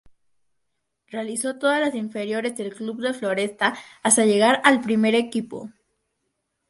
Realizó todas las inferiores del club de Floresta hasta llegar al primer equipo.